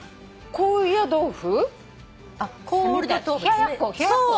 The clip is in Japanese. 高野豆腐。